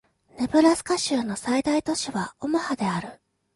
ネブラスカ州の最大都市はオマハである